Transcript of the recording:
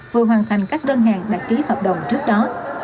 vừa hoàn thành các đơn hàng đặt ký hợp đồng trước đó